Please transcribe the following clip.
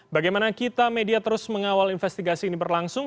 bagaimana kita media terus mengawal investigasi ini berlangsung